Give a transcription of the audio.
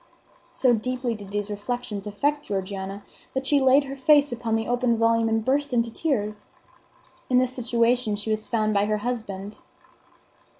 So deeply did these reflections affect Georgiana that she laid her face upon the open volume and burst into tears. In this situation she was found by her husband.